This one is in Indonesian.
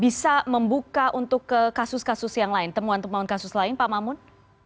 bisa membuka untuk kasus kasus yang lain temuan temuan kasus lain pak mamun